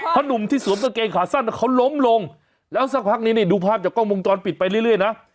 หนุ่มที่สวมกางเกงขาสั้นเขาล้มลงแล้วสักพักนี้นี่ดูภาพจากกล้องวงจรปิดไปเรื่อยนะ